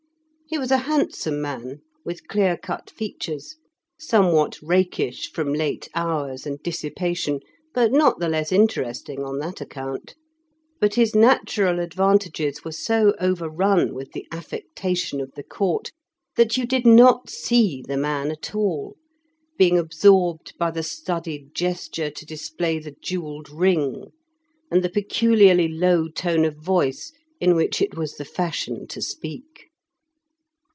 He was a handsome man, with clear cut features, somewhat rakish from late hours and dissipation, but not the less interesting on that account. But his natural advantages were so over run with the affectation of the Court that you did not see the man at all, being absorbed by the studied gesture to display the jewelled ring, and the peculiarly low tone of voice in which it was the fashion to speak.